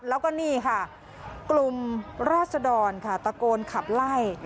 แล้วก็นี่ค่ะกลุ่มราศดรค่ะตะโกนขับไล่